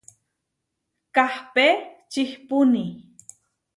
Kahpé čihpúni.